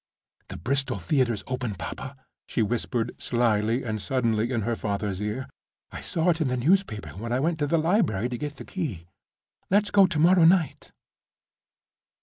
The Bristol Theater's open, papa," she whispered, slyly and suddenly, in her father's ear; "I saw it in the newspaper when I went to the library to get the key. Let's go to morrow night!"